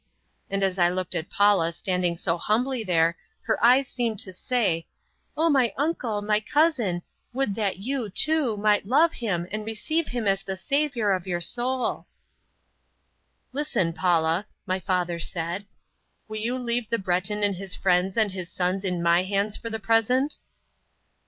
And as I looked at Paula standing so humbly there her eyes seemed to say: "Oh, my uncle, my cousin, would that you, too, might love Him and receive Him as the Saviour of your soul!" "Listen, Paula," my father said; "will you leave the Breton and his friends and his sons in my hands for the present?"